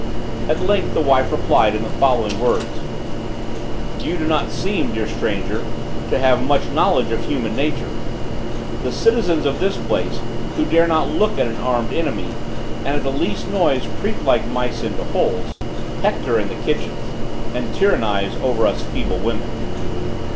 At length, the wife replied in the following words: "You do not seem, dear stranger! to have much knowledge of human nature. The citizens of this place, who dare not look at an armed enemy, and, at the least noise, creep like mice into holes, hector in the kitchens, and tyrannize over us feeble women."